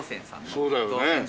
そうだよね。